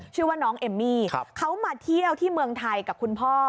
ชื่อว่าน้องเอมมี่เขามาเที่ยวที่เมืองไทยกับคุณพ่อ